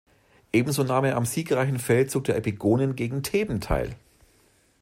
Ebenso nahm er am siegreichen Feldzug der Epigonen gegen Theben teil.